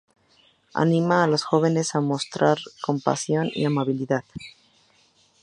Anima a los jóvenes a mostrar compasión y amabilidad.